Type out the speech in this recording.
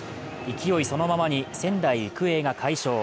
勢いそのままに仙台育英が快勝。